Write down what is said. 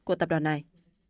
của tập đoàn này